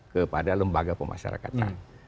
kepada lembaga pemasarakannya